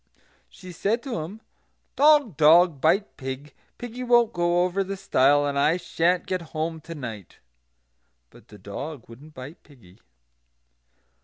She said to him, "Dog, dog, bite pig; piggy won't go over the stile; and I sha'n't get home to night." But the dog wouldn't bite piggy.